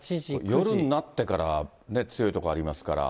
夜になってから、強い所ありますから。